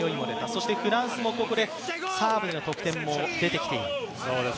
そしてフランスもここでサーブでの得点も出てきている。